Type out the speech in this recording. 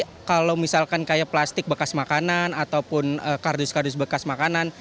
kalau saya sih kalau misalkan kayak plastik bekas makanan ataupun kardus kardus bekas makanan